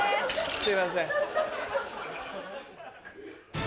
すいません。